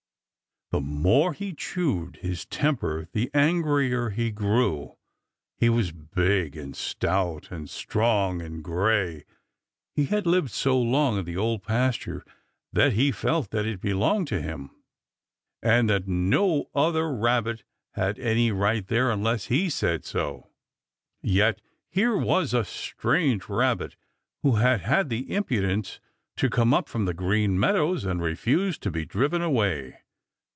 The more he chewed his temper, the angrier he grew. He was big and stout and strong and gray. He had lived so long in the Old Pasture that he felt that it belonged to him and that no other Rabbit had any right there unless he said so. Yet here was a strange Rabbit who had had the impudence to come up from the Green Meadows and refused to be driven away.